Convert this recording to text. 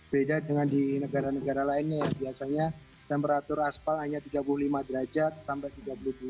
beda dengan di negara negara lainnya yang biasanya temperatur aspal hanya tiga puluh lima derajat sampai tiga puluh dua